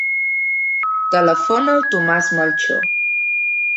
Telefona al Tomàs Melchor.